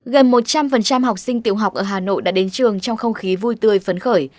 gần một trăm linh học sinh tiểu học ở hà nội đã đến trường trong không khí vui tươi phấn khởi